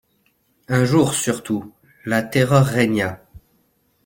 Un jour surtout, la terreur régna.